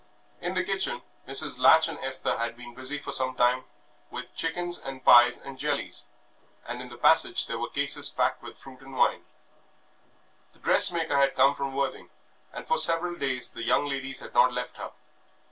In the kitchen Mrs. Latch and Esther had been busy for some time with chickens and pies and jellies, and in the passage there were cases packed with fruit and wine. The dressmaker had come from Worthing, and for several days the young ladies had not left her.